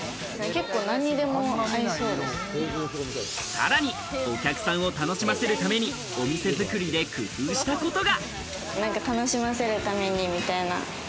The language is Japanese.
さらにお客さんを楽しませるために、お店作りで工夫したことが。